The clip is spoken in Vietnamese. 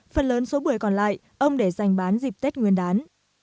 phần lớn số bưởi còn lại ông để giành bán dịp tết nguyên đán